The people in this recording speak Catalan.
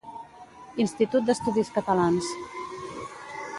Institut d'Estudis Catalans